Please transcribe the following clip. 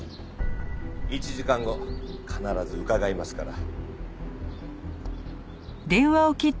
１時間後必ず伺いますから。